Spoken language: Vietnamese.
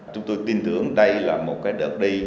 chúng tôi tin tưởng đây là một cái đợt đi